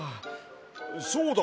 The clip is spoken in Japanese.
そうだ！